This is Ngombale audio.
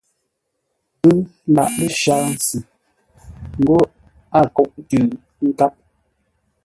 Pə́ lâʼ lə́ Shaghʼə-ntsʉ ńgó a kóʼ tʉ́ ńkáp.